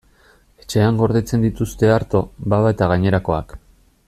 Etxean gordetzen dituzte arto, baba eta gainerakoak.